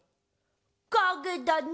かげだね。